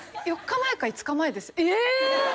４日前か５日前ですえ！？